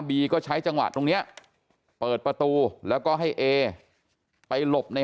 ก็ใช้จังหวะตรงเนี้ยเปิดประตูแล้วก็ให้เอไปหลบใน